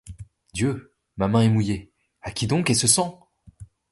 Dieu! ma main est mouillée ! à qui donc est ce sang?